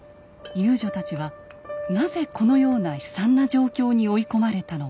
遊女たちはなぜこのような悲惨な状況に追い込まれたのか。